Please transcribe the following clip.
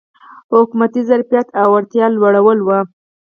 حکومتي ظرفیت او وړتیا لوړول و.